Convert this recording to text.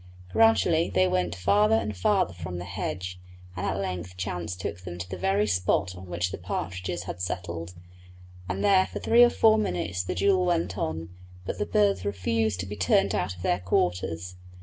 Gradually they went farther and farther from the hedge; and at length chance took them to the very spot on which the partridges had settled, and there for three or four minutes the duel went on. But the birds refused to be turned out of their quarters.